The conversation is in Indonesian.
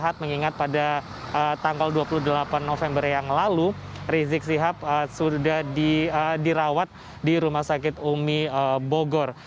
mengingat pada tanggal dua puluh delapan november yang lalu rizik sihab sudah dirawat di rumah sakit umi bogor